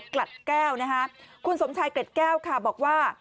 เกล็ดแก้วค่าบอกว่า